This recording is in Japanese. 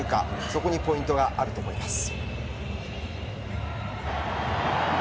そこにポイントがあると思います。